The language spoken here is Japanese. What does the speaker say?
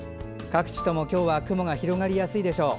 各地も今日は雲が広がりやすいでしょう。